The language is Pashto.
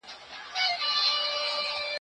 زموږ پر مځکه په هوا کي دښمنان دي